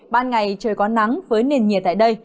ban ngày trời có nắng với nền nhiệt tại đây